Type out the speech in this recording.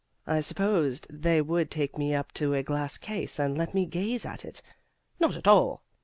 I supposed they would take me up to a glass case and let me gaze at it. Not at all.